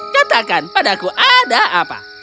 katakan padaku ada apa